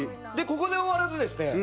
ここで終わらずですね